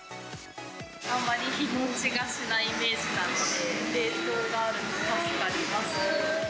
あんまり日持ちがしないイメージなので、冷凍があると助かります。